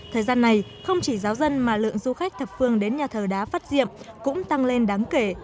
thời gian này không chỉ giáo dân mà lượng du khách thập phương đến nhà thờ đá phát diệm cũng tăng lên đáng kể